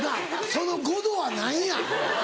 その５度は何や？